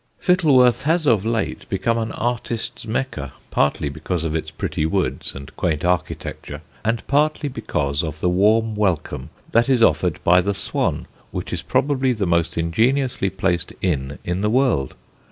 Fittleworth has of late become an artists' Mecca, partly because of its pretty woods and quaint architecture, and partly because of the warm welcome that is offered by the "Swan," which is probably the most ingeniously placed inn in the world.